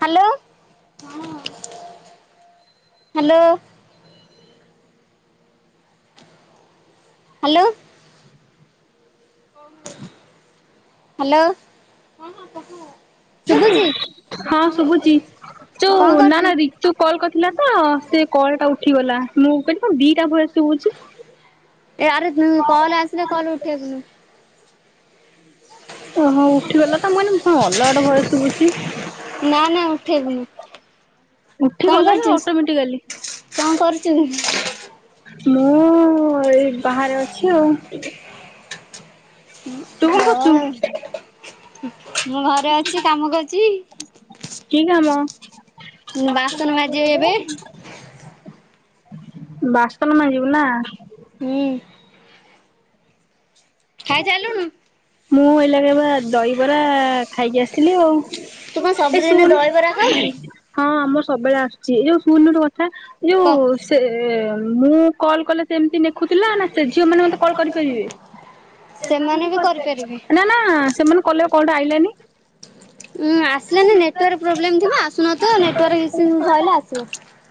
Hello hello. Hello. Hello ଶୁଭୁଛି। ହଁ ଶୁଭୁଛି କଣ ଯୋଉ ନା କରୁଛୁ? ନା ରିତୁ କଲ କରିଥିଲା ତ ସେ କଲ ଟା ଉଠିଗଲା। ମୁଁ କହିଲି କଁ ଦିଟା ଭଏସ ସୁଭୁଛି। ଏ ଆରେ ଉଁ କଲ ଆସିଲେ କଲ ଉଠେଇବୁନୁ। ଓ ହୋ ଉଠିଗଲା ତ ମୁଁ କହିଲି କଣ ଅଲଗା ଗୋଟେ ଭଏସ ଶୁଭୁଛି। ନା ନା ଉଠେଇବୁନୁ। କଣ ଉଠିଗଲା ଯେ କରୁଛୁ ଅଟୋମେଟିକାଲି କଣ କରୁଛୁ। ମୁଁ ବାହାରେ ଅଛି ଆଉ। ତୁ କଣ କରୁଚୁ? ହଁ ମୁଁ ଘରେ ଅଛି କାମ କରୁଛି। କି କାମ। ବାସନ ମାଜିବି ଏବେ ବାସନ ମାଯିବୁ ନା। ହୁଁ। ଖାଇସାରିଲୁଣୁ? ମୁଁ ଏଇଲାକେ ବା ଦହିବରା ଖାଇକି ଆସିଲି ଆଉ। ତୁ କଣ ଏ ସବୁଦିନ ଶୁଣ ଦହିବରା ଖାଉଛୁ? ହଁ ଆମର ସବୁବେଳେ ଆସୁଛି ଏ ଯୋଉ ଶୁଣନି ଗୋଟେ କଥା। ଯୋଉ କ। ସେ ମୁଁ କଲ୍ କଲେ ସେ ଏମିତି ନେଖୁଥିଲା ନା ସେ ଝିଅ ମାନେ ମତେ କଲ୍ କରିପାରିବେ। ସେମାନେ ବି କରିପାରିବେ। ନା ନା ସେମାନେ କଲେ ବା କଲ ଟା ଆଇିଲାନି। ଉଁ ଆସିଲାନି ନେଟାର୍କ ପ୍ରୋବ୍ଲେମ ଥିବ ଆସୁ ନଥିବ ନେଟୱର୍କ ଇସୁ ସେଇଲେ ଆସିବ।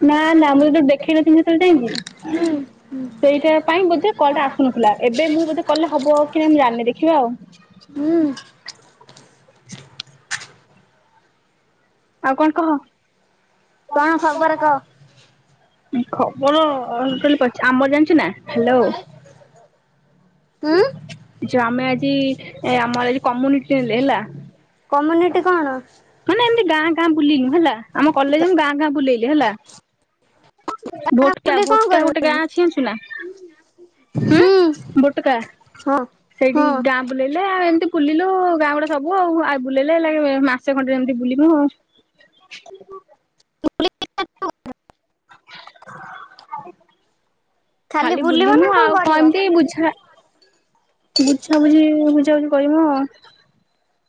ନା ନା ମୁଁ ଯେତେବେଳେ ଦେଖେଇ ନଥିଲି ସେତେ ବେଳେ ଯାଇଁକି। ବୋଧେ [unintelligible] କଁ କି ମୁଁ ଜାଣିନି ଦେଖିବା ଆଉ। ହୁଁ। [unintelligible] ଆଉ କଣ କହ। କଣ ଖବର କହ? କଲ କଲେ ପଛେ ଆମ ର ଜାଣିଛୁ ନା ହ୍ୟାଲୋ। ଉଁ, ଯୋ ଆମେ ଆଜି ଏ ଆମର ଏଠି କମ୍ୟୁନିଟିଲ୍ ଲେ ହେଲା। କମ୍ୟୁନିଟି କଣ? ମାନେ ଏମିତି ଗାଁ ଗାଁ ବୁଲିିଲୁ। ହେଲା ଆମ କଲେଜ୍ ଗାଁ ଗାଁ ବୁଲେଇଲେ ହେଲା। ଗାଁ ଭୋଟକା ବୁଲି କଣ ଭୋଟକା କରିବ ଗୋଟେ ଗାଁ କି? ଅଛି ଜାଣିଛୁନା। ହୁଁ, ବୁଟକା ହଁ ସେଇଠି ହଁ ଗାଁ ବୁଲେଇଲେ ଆଉ ଏମିତି ବୁଲିଲୁ ଗାଁ ଗୁଡା ସବୁ ଆଉ ଆ, ବୁଲେଇଲେ ହେଲାକି ମାସ ସେ ଖଣ୍ଡରେ ଏମିତି ବୁଲିବୁ ଆଉ। ଆ ଖାଲି ବୁଲିବ ନା ବୁଲିମୁୁ କଣ ଆଉ କ କରିବ? ଏମିତି ବୁଝା ବୁଝାବୁଝି ବୁଝାବୁଝି କରିବୁ ଅ,।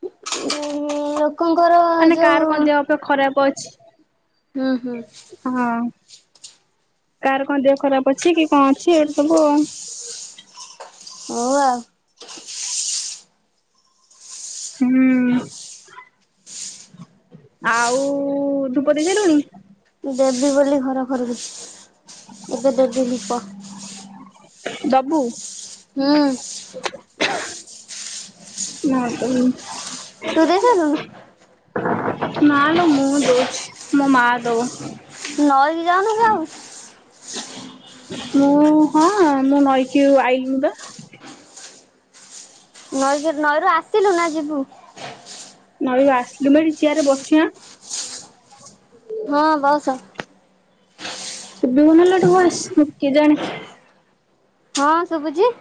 [unintelligible] କଙ୍କର ମାନେ କାର କଣ ଦେହ ଫେହ ଖରାପ ଅଛି। ହୁଁ, ହୁଁ। ହଁ କାର କଣ ଦେହ ଖରାପ ଅଛି କି କଣ ଅଛି ଏଇଟି ସବୁ ଅ,। ହଁ ଆ ହୁଁ, ଆଉ ଧୂପ ଦେଇସାଇଲୁଣି? ଦେବି ବୋଲି ଘର ଖରକୁଛି। ଦବୁ? ହୁଁ। ନା [inaudible] ତୁ ଦେଇ ସାଇଲୁନୁ? ନା ଲୋ ମୁଁ ଦେଇଛି, ମୋ ମା ଦବ। ନଈକୁ ଯାଉନୁ କି ଆଉ? ମୁଁ ହଁ ମୁଁ ନଈ କି ଆଇଲିଣି ପା। ନଈ କିର ନଈରୁ ଆସିଲୁ ନା ଯିବୁ? ନଈ ରୁ ଆସିଲୁ ମୁଁ ଏଠି ଚିଆର ବସିଛି ଆଁ। ହଁ ବସ। ଶୁଭିବ ନା ଲୋ ଏଠି ବସିଛୁ କେଜାଣେ। ହଁ ଶୁଭୁଛି।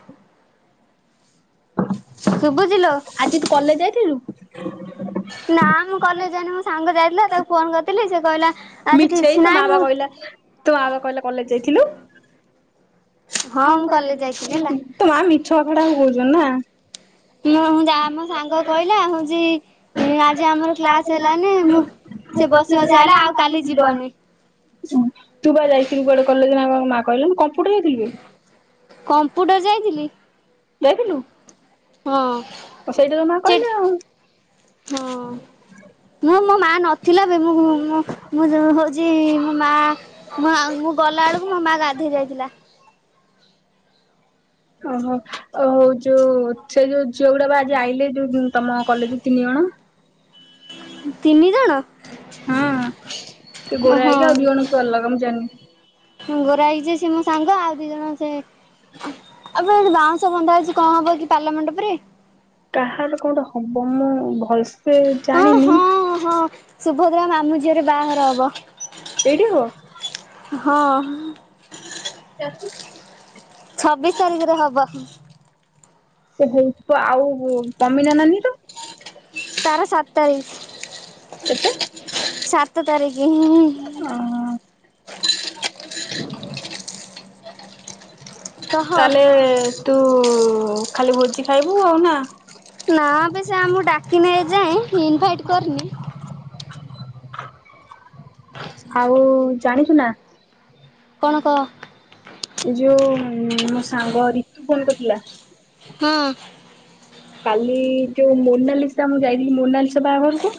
ଶୁବୁଚି ଲୋ। ଆଜି ତୁ କଲେଜ୍ ଯାଇଥିଲୁ? ନା ମୁଁ କଲେଜ୍ ଯାଇନି। ମୋ ସାଙ୍ଗ ଯାଇଥିଲା। ତାକୁ ଫୋନ୍ କରିଥିଲି ସେ କହିଲା ଆଜି ମିଛେଇ କିଛି ତୋ ମା ନାହିଁ ବା ମୁଁ କହିଲା, ତୋ ମା ବା କହିଲା କଲେଜ୍ ଯାଇଥିଲୁ। ହଁ ମୁଁ କଲେଜ ଯାଇଥିଲି ହେଲା। ତ ମା ମିଛ ଗୁଡାକ କହୁଚନ ନା? ମୁଁ ଜା ମୋ ସାଙ୍ଗ କହିଲା ହଉଚି ଏ ଆଜି ଆମର କ୍ଲାସ୍ ହେଲାନି, ମୁଁ ସେ ବସି ବସି ଆଇଲା ଆଉ କାଲି ଯିବନି। ତୁ ପରା ଯାଇଥିଲୁ କୁଆଡେ କଲେଜ୍ ନା କଣ ମା କହିଲା। ନା କମ୍ପ୍ୟୁଟର ଯାଇଥିଲୁ କି? କମ୍ପୁଟର ଯାଇଥିଲି। ଯାଇଥିଲୁ? ହଁ। ଓ ସେଇଟା ତୋ ମା ସେ କହିଲେ ଆଉ। ହଁ। ମୁଁ ମୋ ମା ନଥିଲା ବେ ମୁଁ, ମୁଁ ମୁଁ, ମୁଁ, ଯୋଉ ହଉଚି ମୋ ମା ମୁଁ ଆଉ ମୁଁ ଗଲାବେଳକୁ ମୋ ମାଆ ଗାଧେଇ ଯାଇଥିଲା। ଓହୋ, ଓ ହଉ ଯୋଉ ସେ ଯୋଉ ଝିଅ ଗୁଡା ବା ଆଜି ଆଇଲେ ଯୋଉ ହୁଁ, ତୋମ କଲେଜ୍ ରୁୁ ତିନି ଜଣ। ତିନି ଜଣ! ହଁ ଟିକେ ଗୋରା ହେଇକି ଆଉ ଦିଅ ଜଣ କିଏ ଅଲଗା ମୁଁ ଜାଣିନି। ହୁଁ, ଗୋରା ହେଇକି ଯିଏ ସେ ମୋ ସାଙ୍ଗ, ଆଉ ଦି ଜଣ ସେ ଆଉ ବୋ ବାଉଁ ବନ୍ଧା ହେଇଚି କଣ ହବକି ପାଲା ମଣ୍ଡପରେ? କାହାର କୋଣଟେ ହବ। ମୁଁ ଭଲସେ ଜାଣିନି, ଶୁଭଦ୍ରା ମାମୁଁ ଝିଅର ବାଆଘର ହବ। ଏଇଠି ହବ? ହଁ। [inaudible] ଛବିଶ ତାରିଖରେ ହବ। ସେ ହେଇଥିବ ଆଉ କମିନା ନାନୀ ର? ତାର ସାତ ତାରିକ୍। କେତେ? ସାତ ତାରିକ। ହିଁ- ଇ ଅଃ। କହ ତାହେଲେ ତୁ ଖାଲି ଭୋଜି ଖାଇବୁ ଆଉ ନା, ନା ବେ ସେ ଆମୁଁ ଡାକିନି ଏଯାଏଁ, ଇନଭାଇଟ କରିନି। ଆଉ ଜାଣିଚୁ ନା, କଣ କହ? ଏଇ ଯୋଉ ମୋ ସାଙ୍ଗ ରିତୁ ପରିଡା ଥିଲା, ହଁ, କାଲି ଯୋଉ ମୋନାଲିସା ମୁଁ ଯାଇଥିଲି ମୋନାଲିସା ବାହାଘରକୁ।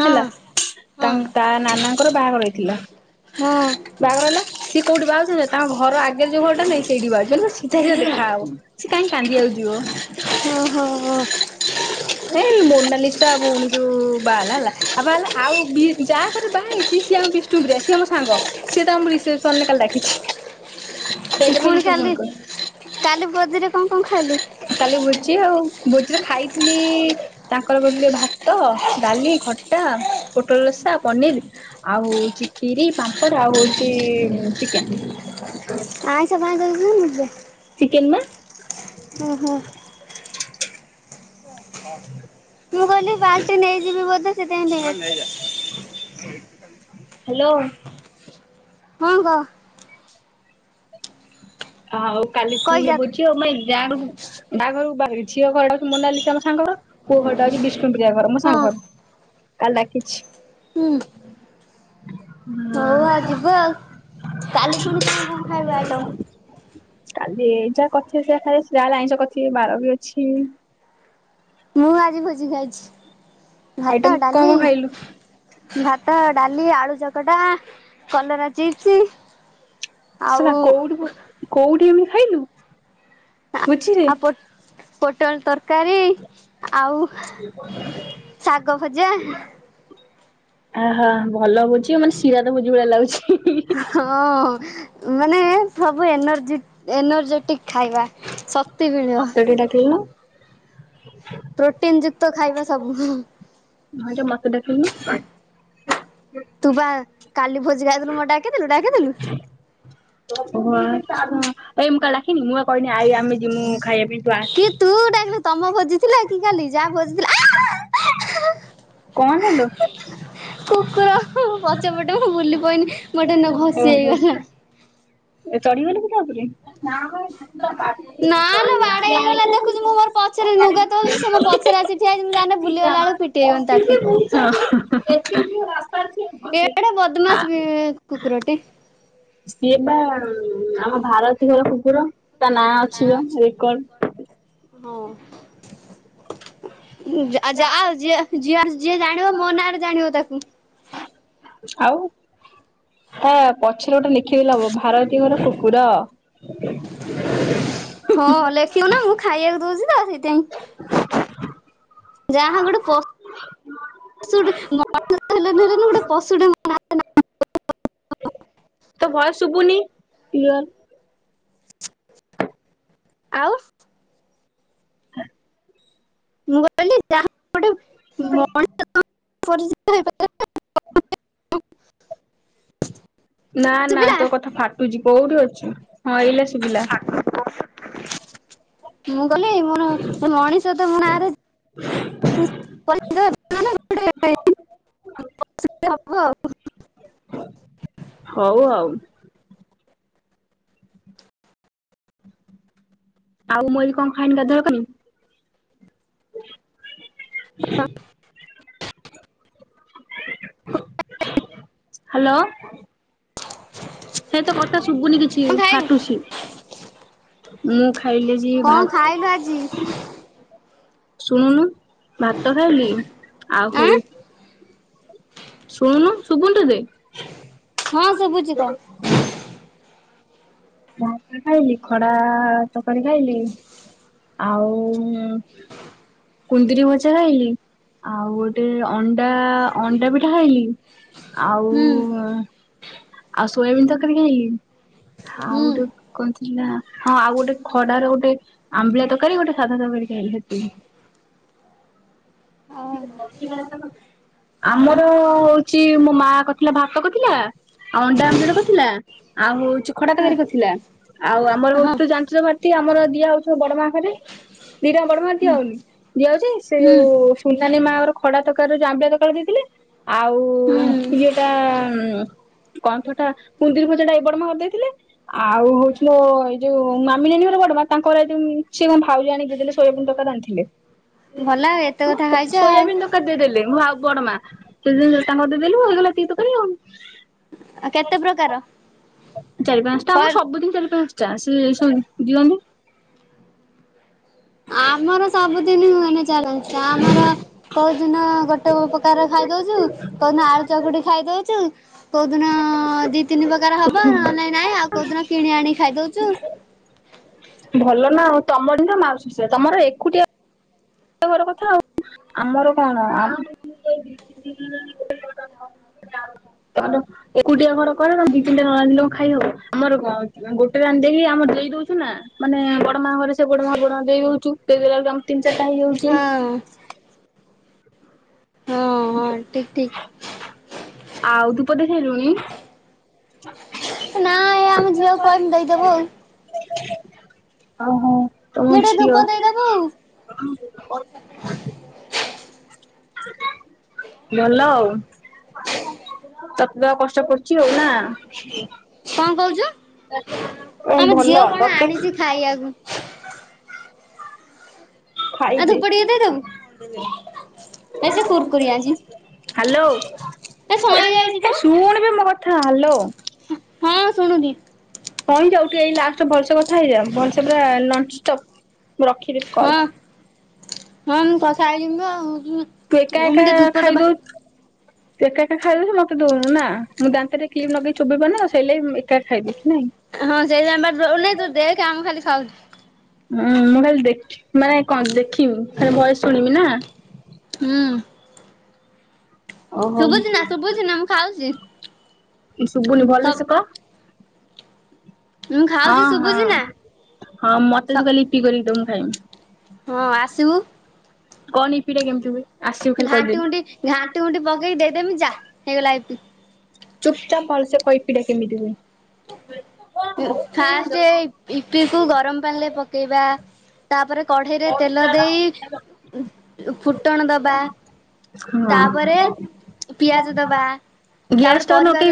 ହଁ ହେଲା ହଁ ତାଙ୍କ ତା ନାନାଙ୍କର ବାହାଘର ହେଇଥିଲା, ହଁ, ବାହାଘର ହେଲା ସିଏ କଉଠି ବାଉଛନ୍ତି ତାଙ୍କ ଘର ଆଗରେ ଯୋଉ ଘରଟାହିଁ ସେଇଠି ବାଉଛିଛନ୍ତି ସିା ଯଦିହା ହଉ ସେ କାହିଁ କାନ୍ଦି ଆକୁ ଯିବ ଓହୋ ହ ଏ ମୋନାଲିସା ଭଉଣୀ ଯୋଉ ବାହା ହେଲା ହେଲା ଆଉ ବା ହେଲା ଆଉ ଯାହାକ ବାହା ହେଇଛି ସିଏ ଆମ ବିଷ୍ଣୁପି ସିଏ ଆମ ସାଙ୍ଗ ସେ ତ ମୁମ ରଷେପ ସନ୍େ କା ଡଖିଛି ସେଇଟା ପାଇଁ ପୁଣି ଯେତୁ କାଲି ଫନ କର କାଲି ବଦିରେ କଣ କଣ ଖାଇଲୁ କାଲି ଭୋଚି ଆଉ ଭୋଚିରେ ଖାଇଥିଲି ତାଙ୍କର ଗିଲେ ଭାତ ଡାଲି ଖଟା ପୋଟଲ ଲସା ପନିର ଆଉ ହଉଛି ଖିରି ପାମ୍ପଡ଼ ଆଉ ହଉଛି ଚିକେନ ଆଛ ପା ମୁେ ଚିକେନ ମା ହୁଁ ହୋଁ ମୁଁ କହିଲି ପାଞ୍ଚରେ ନେଇଯିବି ବୋଧେ ସେଥିପାଇଁ ହ୍ୟାଲୋ ହଁ କହ ଆଉ କାଲି ପୁଣି କହିଯା ବୁଝ ିଅାଇାାଘରରୁ ବାହାର ଝିଅ ଘରଟ ଅଛି ମନାଲିଛି ଆମ ସାଙ୍ଗଙ୍କର ପୁଅ ଘରଟା ଅଛି ବି ପା ଘର ମୋ ହଁ ସାଙ୍ଗ ଘର କା ଡାକିଛି ହୁଁ ହଉ ଆଉ ଯିବ ଆଉ କାଲି ପୁଣି କଣ କଣ ଖାଇବ ଆଇଟମ୍ କାଲି ଏ ଯାହା କଥ ସେ ଖାଲିା ଆଇଁଚ କଥ ବାର ବି ଅଛି ମୁଁ ଆଜି ଭୋଜି ଖାଇଛି ଭାତ ଆଇଟମ କଣ ଡାଲି କଣ ଖାଇଲୁ? ଭାତ ଡାଲି ଆଳୁ ଚକଟା କଲରା ଚିପ୍ସ ଆଉ ସେଟ କଉ କଉଡି ଏମିତି ଖାଇଲୁ ଭୋଜିରେ? ଆଉ ପଟ ପୋଟୋଣ ତର ତରକାରୀ ଆଉ ଶାଗ ଭଜା ଆହୋ ଭଲ ହଉଛି ମାନେ ଶିରା ର ଭୋଜି ଭଳିଆ ଲାଗୁଛି। ହଁ ମାନେ ସବୁ ଏନର୍ଜି ଏନର୍ଜେଟିକ ଖାଇବା। ଶକ୍ତି ମିଳିବ ମତେ ଟିକେ ଡାକିଲୁନୋ। ପ୍ରୋଟିନ୍ ଯୁକ୍ତ ଖାଇବା ସବୁ। ହଁ ଯେ ମତେ ଡ଼ାକିଲିନୋ? ତୁ ପା କାଲି ଭୋଜି ଖାଇଦେଲୁ ମତେ ଡାକିଥିଲୁ ଡାିକିଥିଲୁ। ଓଁ ଏଇ ମୁଁ କାଲି ଡାକିନି ମୁଁ କହିନି ଆଇ ଆମେ ଜିମୁ ଖାଇବା ପାଇଁ। ତୁ ଆସେ। କି ତୁ ଡାକିଲୁ ତମ ଭୋଜିଥିଲା କି କାଲି ଯାହା ଭୋଜିଥିଲା କଣ ହେଲୁ? କୁକୁର ପଛପଟେ ମୁଁ ବୁଲି ପଇନି ଗୋଟେ ନ ଘସି ଓହୋ ହେଇଗଲା। ଏ ଚଢିଗଲୁ କି ତା ଉପରେ? ତ ବା ନା ଲୋ ବାଡେଇ ହେ ହେଇଗଲା ଦେଖୁଛି ମୁଁ ମୋର ପଛରେ ଲୁଗା ତୋଳୁଛି ସେ ମୋ ପଛରେ ଆସି [inaudible] ଠିଆ ହେଇଛି ମୁଁ ଜାଣିନେ ବୁଲିଗଲା ବେଳକୁ ପିଟି ହେଇଗନି ତାଠି [inaudible] ଏଡେ ଆ ବଦମାସ ବି କୁକୁରଟେ। ସିଏ ବା ଆମ ଭାରତୀ ହର କୁକୁର। ତା ନାଁ ଅଛି ହଁ। ଯା ଯି ଯି ଯିଏ ଜାଣିବ ମୋ ନାଁରେ ଜାଣିବ ତାକୁ। ଆଉ ତା ପଛରେ ଗୋଟେ ଲେଖିଦେଲେ ହେବ ଭାରତୀଙ୍କର କୁକୁର। ହଁ ଲେଖିବୁ ନା ମୁଁ ଖାଇବାକୁ ଦଉଛି ତ ସେଇଥିପାଇଁ। ଯାହା ଗୋଟେ ମମଣିଷ ତ ହେଲେନି ହେଲେନି ଗୋଟେ ପଶୁଟାକୁ [inaudible] ତୋ ଭୟସ ଶୁବୁନି କ୍ଲିୟର। ଆଉ। ମୁଁ କହିଲି ଯାହା ଗୋଟେ [unintelligible] ନା ନା ପିଲା ତୋ କଥା ଫାଟୁଚି କୋଉଠି ଅଛୁ ହଁ ଏଇଲା ଶୁଭିଲା। ମୁଁ ଗଲି ମୋର ମଣିଷ ତ ମୋ ନାଁ ରେ ଆଉ। ଆଉ ସେମିତି ହବ ଆଉ। ହଉ ଆଉ। ଆଉ ମଇ କଣ ଖାଇନି ଗାଧୁଆ ବେଳେ କଇମି ହାଲୋ। ହେ ତୋ କଥା ଶୁଭୁନି କିଛି କଣ ଖାଇଲୁ? ଫାଟୁଛି। ମୁଁ ଖାଇଲି ଆଜି କଣ ଭା ଖାଇଲୁ ଆଜି? ଶୁଣୁନୁ ଭାତ ଖାଇଲି ଆଉ ହଉ ଆଁ ଶୁଣୁନୁ ଶୁଭୁନି ତେତେ? ହଁ ଶୁଭୁଛି ତ। ଭାତ ଖାଇଲି ଖଡା ତରକାରୀ ଖାଇଲି। ଆଉ କୁନ୍ଦୁରି ଭଜା ଖାଇଲି। ଆଉ ଗୋଟେ ଅଣ୍ଡା ଅଣ୍ଡା ପିଠା ଖାଇଲି। ଆଉ ହୁଁ ଆଉ ସୋୟାବିନ ତରକାରୀ ଖାଇଲି। ଆଉ ହୁଁ। ଗୋଟେ କଣ ଥିଲା ହଁ ଆଉ ଗୋଟେ ଖଡାର ଗୋଟେ ଆମ୍ବିଲେଟ୍ ତକାରି ଗୋଟେ ସାଧା ତରକାରୀ ଖାଇଲି ସେତିକି। ହଁ ଆମର ହଉଛି ମୋ ମା କରିଥିଲା ଭାତ କରିଥିଲା ଆଉ ଅଣ୍ଡା ଆମ୍ଲେଟ କଥିଲା ଆଉ ହଉଚି ଖଡ଼ା ତକାରୀ କରି ଥିଲା ଆଉ ଆମର ହଁ ହଉଚି ତ ଜା [unintelligible] ଆମର ଦିଆ ହଉଛ ବଡ ମା ଘରେ। ଦିଟାଙ୍କ ବଡ ମା ଘରେ ଦିଆ ହଉନିକି ଦିଆ ହଉଛି ସେ ହୁଁ ଯୋଉ ସୁନାନୀ ମା ଘର ଖଡ଼ା ତରକାରୀ, ଯୋଉ ଆମ୍ବିଳା ତରକାରୀ ଦେଇଥିଲେ। ଆଉ ହୁଁ ଇଏଟା କଇଁଥ ଟା, କୁନ୍ଦିରି ଭଜାଟା ଏ ବଡମା ଘର ଦେଇଥିଲେ। ଆଉ ହଉଚି ମୋ ଏଇ ଯୋଉ ମାମି ନାନୀ ଘର ବଡ ମା, ତାଙ୍କର ଏ ଯୋଉ ସିଏ କଣ ଭାଉଜ ଆଣିକି ଦେଇଦେଲେ ସୋୟାବିନ ତରକାରୀ ରାନ୍ଧିଥିଲେ। ଭଲ ଆଉ, ଏତେ କଥା ଖାଇଛ ଆଉ। ସୋୟାବିନ୍ ତରକାରୀ ଦେଇଦେଲେ ମୁଁ ଆଉ ବଡମା, ସେ ଜିନିଷ ତାଙ୍କର ଦେଇଦେଲେ ହେଇଗଲା ଏତିକି ତରକାରୀ ଆଉ। ଆଉ କେତେ ପ୍ରକାର ଚାରି ପାନ୍ସଟା ଆମର କଲ୍ ସବୁଦିନ ଚାରି ପାଞ୍ଚ ଟା ସେ ସବୁ ଦିଅନ୍ତି। ଆମର ସବୁଦିନ ହୁଏନି ଚ୍ୟାଲେଞ୍ଜ, ଆମର କୋଉଦିନ ଗୋଟେ ପ୍ରକାର ଖାଇ ଦଉଛୁ, କୋଉଦିନ ଆଳୁ ଚକୁଟି ଖାଇ ଦଉଛୁ। କୋଉଦିନ ଦି ତିନି ପ୍ରକାର ହବ, ନହେଲେ ନାଇଁ ଆଉ କୋଉ ଦିନ କିଣି ଆଣି ଖାଇଦଉଛୁ। ଭଲ ନା ଆଉ ତମଠି ମାଉସି ସେଇଆ, ତମର ଏକୁଟିଆ ଆମର କଣ [unintelligible] ଏକୁଟିଆ ଘର କଣ ଦି ତିନିଟା ନ ରାନ୍ଧିଲେ କଣ ଖାଇ ହବ, ଆମର କଣ ଗୋଟେ ରାନ୍ଧିକି ଆମର ଦେଇ ଦଉଚୁ ନା। ମାନେ ବଡମା ଘରେ ସେ ବଡମା ବଡମା ଦେଇ ଦଉଚୁ, ଦେଇଦେଲା ବେଳକୁ ଆମ ତିନି ଚାରିଟା ହେଇଯାଉଚି। ହଁ ହଁ ହଁ ଠିକ୍ ଠିକ୍। ଆଉ ଧୂପ ଦେଇସାଇଲୁଣି? ନା ଏ ଆମ ଝିଅକୁ କହିଲେ ଦେଇଦବ ଆଉ। ଓ ହୋ। ଝିଅ ଟିକେ ଧୂପ ଦେଇଦବୁ? ଭଲ ଆଉ, ତତେ ଦବାକୁ କଷ୍ ଷ୍ଟ ପଡୁଛି ଆଉ ନା। କଣ କହୁଛୁ? ଓ ଆମ ଭଲ ଝିଅ କଣ ତତେ ଆଣିଛି ଖାଇବାକୁ ଆଉ ଖାଇଦେ। ଧୂପ ଟିକେ ଦେଇଦବୁ, ଏ ସେ କୁୁରକୁରି ଆଣିଚି। ହାଲୋ କଣ ହେ ଶୁଣବେ ମୋ କଥା ହାଲୋ। ହଁ ଶୁଣୁଛିି। ହଁ ଯାଉ ଟିକେ ଏଇ ଲାଷ୍ଟ ଭଲସେ କଥା ହେଇଯା, ଭଲସେ ପୁରା ନନ ଷ୍ଟପ ମୁଁ ରଖିବି ହଁ କଲ୍। ହଁ- ମୁଁ କଥା ହେଇଯିମି ତ ଆଉ, ତୁ ଏକା ଉଁ- ମୁଁ ଏକା ଟିକେ ଧୂପ ଦବା ଖାଇଦଉ ତୁ ଏକା ଏକା ଖାଇଦଉଚୁ, ମତେ ଦଉନୁ ନା। ମୁଁ ଦାନ୍ତରେ କ୍ଲିପ୍ ଲଗେଇ ଚୋବେଇ ପାରୁନି ନା, ସେଇ ଲାଗି ଉଁ ଏକା ଖାଇଦେଇଛୁ ନାଇଁ। ହଁ ସେଇଥିପାଇଁ ବା ଦଉନି, ତୁ ଦେଖ ଆମେ ଖାଲି ଖାଉଚୁ। ହୁଁ- ମୁଁ ଖାଲି ଦେଖ ମାନେ କଣ ଦେଖିମି, ଖାଲି ଭଏସ ଶୁଣିବି ନା। ହୁଁ। ଓ ହୋ ଶୁଭୁଛି ନା ଶୁଭୁଛି ନା ମୁଁ ଖାଉଛି ଶୁଭୁନି, ଭଲସେ କହ। ମୁଁ ଖାଉଛି ହଁ- ଶୁଭୁଛି ନା। ହଁ- ହଁ ମତେ ତୁ କାଲି ଇପି କରିକି ଦମୁ ମୁଁ ଖାଇମି। ହଁ ଆସିବୁ। କଣ ଇପି ଟା କେମିତି ହୁଏ? ଆସିବୁ ଖାଲି ଘାଣ୍ଟି କହିଦେବି ଘୁଣ୍ଟି, ଘାଣ୍ଟି ଘୁଣ୍ଟି ପକେଇ ଦେଇଦେମି ଯା ହେଇଗଲା ଇପି। ଚୁପ ଚାପ ଭଲସେ କହ, ଇପିଟା କେମିତି ହୁଏ? ଇ ଫାଷ୍ଟେ ଇ-ଇପି କୁ ଗରମ ପାଣିରେ ପକେଇବା। ତାପରେ କଢେଇରେ ତେଲ ଦେଇ ଉଁ ଫୁଟଣ ଦବା। ହଁ ତାପରେ ପିଆଜ ଦବା, ଗ୍ୟାସ ତାପରେ ଟା ନ ପରିବା ଯ